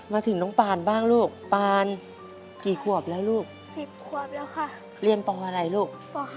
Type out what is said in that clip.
มาถึงน้องปานบ้างลูกปานกี่ขวบแล้วลูก๑๐ขวบแล้วค่ะเรียนปอะไรลูก